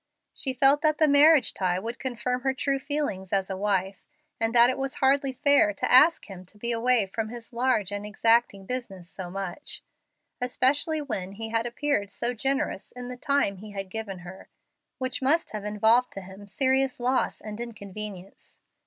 She felt that the marriage tie would confirm her true feelings as a wife, and that it was hardly fair to ask him to be away from his large and exacting business so much, especially when he had appeared so generous in the time he had given her, which must have involved to him serious loss and inconvenience.